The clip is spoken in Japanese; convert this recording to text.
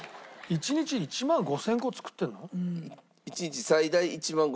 １日１万５０００個作ってるの？